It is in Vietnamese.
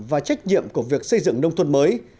và trách nhiệm của việc xây dựng nông thôn mới